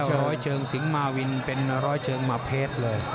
ร้อยเชิงสิงหมาวินเป็นร้อยเชิงมาเพชรเลย